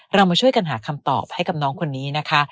เรามาช่วยกันหาคำตอบให้กับน้องคนนี้นะคะ